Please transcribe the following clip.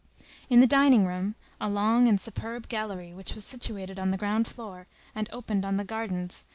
In the dining room, a long and superb gallery which was situated on the ground floor and opened on the gardens, M.